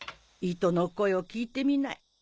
糸の声を聞いてみない。